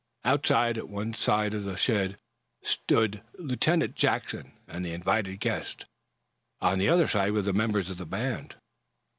Outside, at one side of the shed, stood Lieutenant Jackson and the invited guests. On the other side were the members of the band.